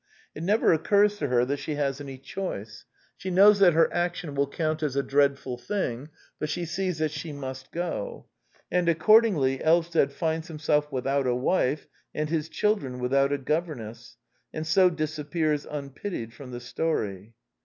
It never oc curs to her that she has any choice. She knows that her action will count as " a dreadful thing ''; but she sees that she must go; and accordingly Elvsted finds himself without a wife and his chil dren without a governess, and so disappears un pitied from the story.